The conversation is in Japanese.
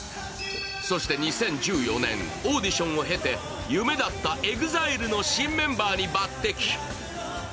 そして２０１４年、オーディションを経て、夢だったＥＸＩＬＥの新メンバーに抜てき。